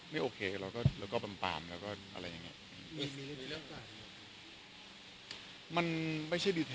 ไม่โอเคแล้วก็แล้วก็ปล่ำปล่ำแล้วก็อะไรอย่างเงี้ยมันไม่ใช่